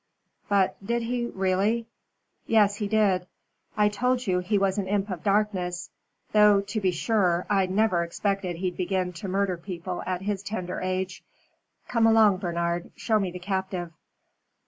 "But did he really " "Yes, he did. I told you he was an imp of darkness, though, to be sure, I never expected he'd begin to murder people at his tender age. Come along, Bernard, show me the captive."